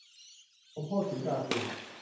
สมโภชน์ สีกากุล